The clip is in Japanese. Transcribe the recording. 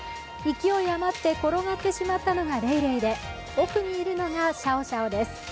勢い余って転がってしまったのがレイレイで奥にいるのがシャオシャオです。